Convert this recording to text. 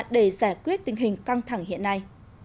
để giải quyết tình hình căng thẳng hiện nay